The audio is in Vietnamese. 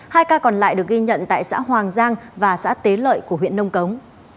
hai ca còn lại được ghi nhận tại xã hoàng giang và xã tế lợi của huyện nông cống